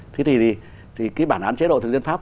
thì cái bản đán chế độ thực dân pháp